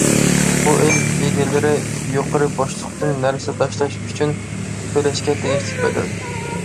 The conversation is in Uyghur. بۇ، ئۆي ئىگىلىرى يۇقىرى بوشلۇقتىن نەرسە تاشلاش ئۈچۈن تۆلەشكە تېگىشلىك بەدەل.